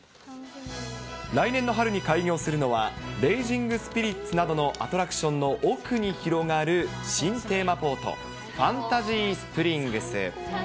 来年の春に開業するのは、レイジングスピリッツなどのアトラクションの奥に広がる新テーマポート、ファンタジースプリングス。